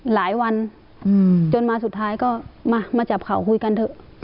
หลายวันจนมาสุดท้ายก็มามาจับเขาคุยกันเถอะ